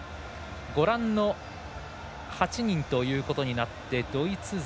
ご覧の８人ということになってドイツ勢